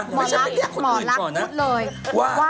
หมอลักษมณ์พูดเลยว่า